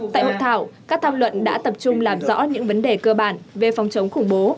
tại hội thảo các tham luận đã tập trung làm rõ những vấn đề cơ bản về phòng chống khủng bố